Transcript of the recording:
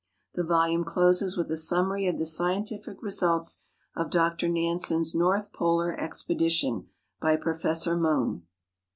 The volume closes with a summary of the scientific results of Dr Nansen's North Polar Expedi tion, by Professor Mohn.